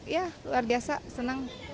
ya luar biasa senang